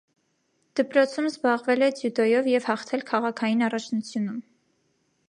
Դպրոցում զբաղվել է դյուդոյով և հաղթել քաղաքային առաջնությունում։